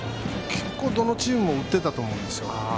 結構、どのチームも打ってたと思うんですよ。